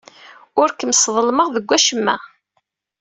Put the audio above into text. Ur kem-sḍelmeɣ deg wacemma.